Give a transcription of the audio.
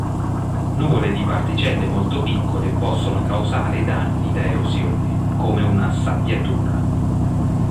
Nuvole di particelle molto piccole possono causare danni da erosione, come una "sabbiatura".